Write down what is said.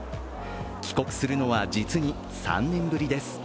帰国するのは実に３年ぶりです。